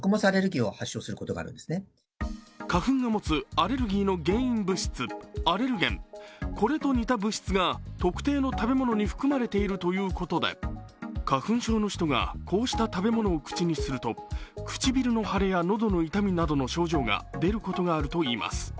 花粉が持つアレルギーの原因物質・アレルゲンこれと似た物質が特定の食べ物に含まれているということで、花粉症の人がこうした食べ物を口にすると唇の腫れや喉の痛みなどの症状が出ることがあるといいます。